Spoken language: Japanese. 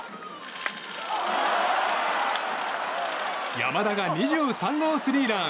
山田が２３号スリーラン。